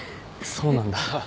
そうなんだ。